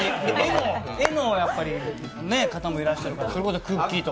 絵の方もいらっしゃるから、それこそくっきー！と。